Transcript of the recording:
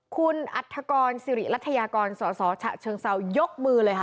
คุณอัฐกรสิริรัฐยากรสอสอฉะเชิงเซายกมือเลยค่ะ